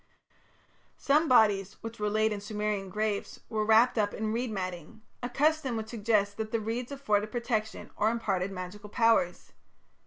Some bodies which were laid in Sumerian graves were wrapped up in reed matting, a custom which suggests that the reeds afforded protection or imparted magical powers.